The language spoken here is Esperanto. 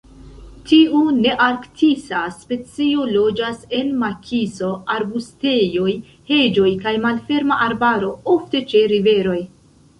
Tiu nearktisa specio loĝas en makiso, arbustejoj, heĝoj kaj malferma arbaro, ofte ĉe riveroj.